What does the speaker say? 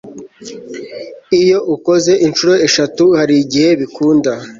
iyo ukoze Inshuro eshatu harigihe bikunda